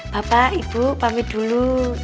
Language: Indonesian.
bapak ibu pamit dulu